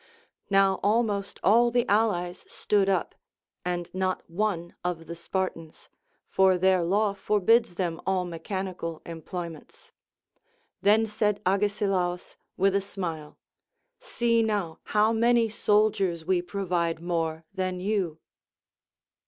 Now almost all the allies stood up and not one of the Spartans, for their law forbids them all mechanical employments. Then said Agesilaus, with a smile. See now how many soldiers we pro vide more than you.